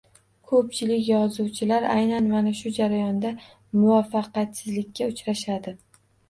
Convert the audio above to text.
Ko’pchilik yozuvchilar aynan mana shu jarayonda muvaffaqiyatsizlikka uchrashadi